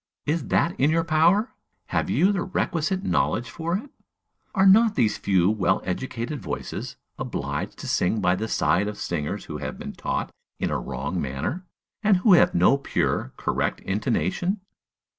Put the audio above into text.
Is that in your power? Have you the requisite knowledge for it? Are not these few well educated voices obliged to sing by the side of singers who have been taught in a wrong manner, and who have no pure, correct intonation?